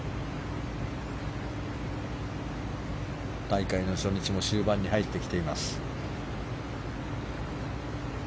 大会の初日も終盤に入ってきています。